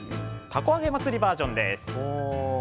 たこ揚げ祭りバージョンです。